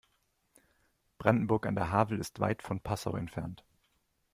Brandenburg an der Havel ist weit von Passau entfernt